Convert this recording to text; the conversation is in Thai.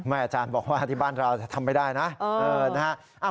ไม่อาจารย์บอกว่าที่บ้านเราจะทำไม่ได้นะเออนะฮะ